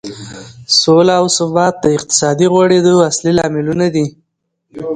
سوله او ثبات د اقتصادي غوړېدو اصلي لاملونه دي.